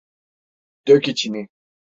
Dök içini.